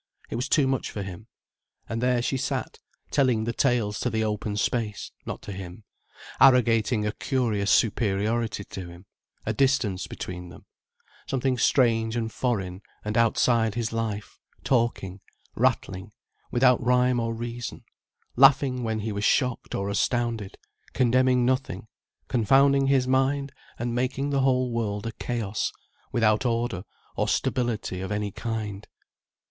It was too much for him. And there she sat, telling the tales to the open space, not to him, arrogating a curious superiority to him, a distance between them, something strange and foreign and outside his life, talking, rattling, without rhyme or reason, laughing when he was shocked or astounded, condemning nothing, confounding his mind and making the whole world a chaos, without order or stability of any kind.